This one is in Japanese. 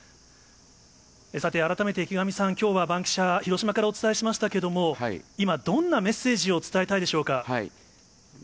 さて、改めて池上さん、きょうはバンキシャ、広島からお伝えしましたけども、今、どんなメッセージを伝えたいでしょうか。